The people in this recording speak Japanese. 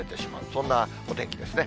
そんなお天気ですね。